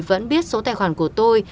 vẫn biết số tài khoản của tôi